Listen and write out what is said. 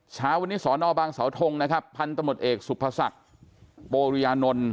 เช้าวันนี้สอนอบางสาวทงนะครับพันธมตเอกสุภศักดิ์โปริยานนท์